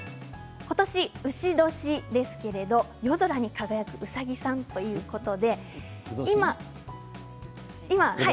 今年う年ですけれど夜空に輝くうさぎさんということで。